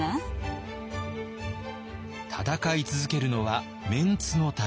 戦い続けるのはメンツのため。